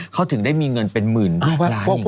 เขาถึงได้มีเงินเป็นหมื่นล้าน